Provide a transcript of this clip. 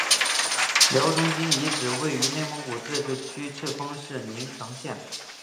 辽中京遗址位于内蒙古自治区赤峰市宁城县。